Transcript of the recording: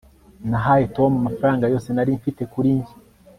nahaye tom amafaranga yose nari mfite kuri njye